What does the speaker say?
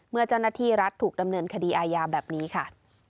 เมื่อเจ้าหน้าที่รัฐถูกดำเนินคดีอาญาแบบนี้ค่ะ